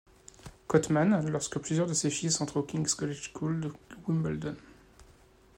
Cotman lorsque plusieurs de ses fils entre au King's College School de Wimbledon.